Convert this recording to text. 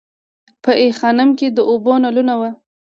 په ای خانم کې د اوبو نلونه وو